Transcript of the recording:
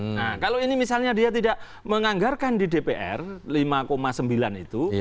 nah kalau ini misalnya dia tidak menganggarkan di dpr lima sembilan itu